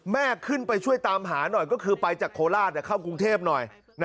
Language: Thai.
แม่ขึ้นไปช่วยตามหาหน่อยก็คือไปจากโคราชเข้ากรุงเทพหน่อย